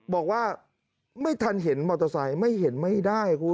บอกว่าไม่ทันเห็นมอเตอร์ไซค์ไม่เห็นไม่ได้คุณ